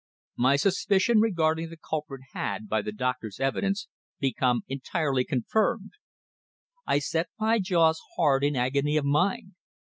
My suspicion regarding the culprit had, by the doctor's evidence, become entirely confirmed. I set my jaws hard in agony of mind.